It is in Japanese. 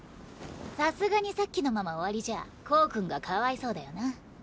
さすがにさっきのまま終わりじゃコウ君がかわいそうだよな。